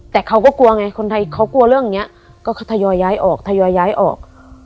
แต่เขาก็กลัวไงคนไทยเขากลัวเรื่องเนี้ยก็เขาทยอยย้ายออกทยอยย้ายออก